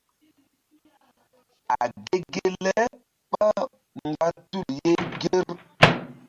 A ge ge le ɓá mgba tul ye ŋger.